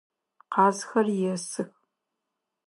Къазхэр есых.